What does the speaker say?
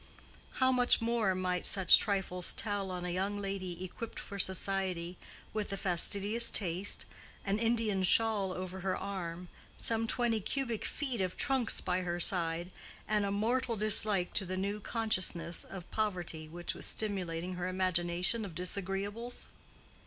How much more might such trifles tell on a young lady equipped for society with a fastidious taste, an Indian shawl over her arm, some twenty cubic feet of trunks by her side, and a mortal dislike to the new consciousness of poverty which was stimulating her imagination of disagreeables?